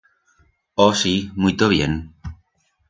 Oh sí, muito bien!